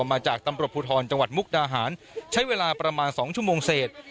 มาจากตำรวจภูทรจังหวัดมุกดาหารใช้เวลาประมาณ๒ชั่วโมงเศษ